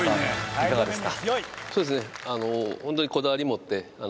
いかがですか？